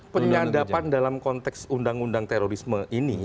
penyadapan dalam konteks undang undang terorisme ini